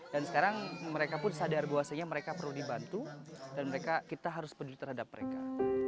dan sekarang mereka pun sadar bahwasanya mereka perlu dibantu dan mereka kita harus peduli terhadap mereka